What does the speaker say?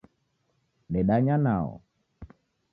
Dedanya nao